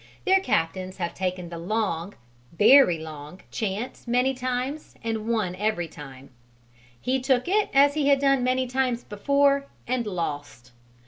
Their captains have taken the long very long chance many times and won every time; he took it as he had done many times before, and lost.